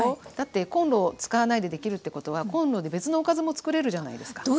だってこんろを使わないでできるってことはこんろで別のおかずも作れるじゃないですか。